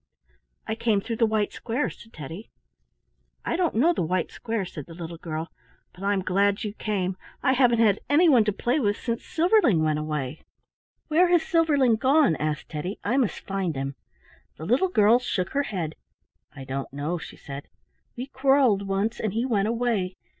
"I came through the white square," said Teddy. "I don't know the white square," said the little girl, "but I'm glad you came. I haven't anyone to play with since Silverling went away." "Where has Silverling gone?" asked Teddy. "I must find him." The little girl shook her head. "I don't know," she said. "We quarrelled once and he went away.